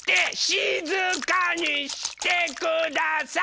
しずかにしてください！